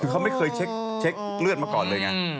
คือเขาไม่เคยเช็คเลือดมาก่อนเลยไง